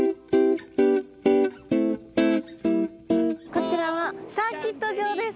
こちらはサーキット場です。